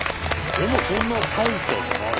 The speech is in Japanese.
でもそんな大差じゃない。